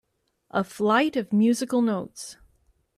A flight of musical notes